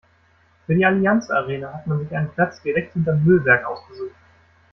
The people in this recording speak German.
Für die Allianz-Arena hat man sich einen Platz direkt hinterm Müllberg ausgesucht.